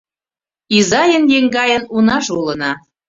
Изайын-еҥгайын унаже улына.